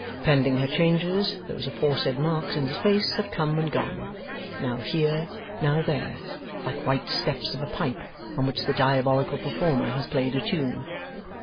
Pending her changes, those aforesaid marks in his face have come and gone, now here now there, like white steps of a pipe on which the diabolical performer has played a tune.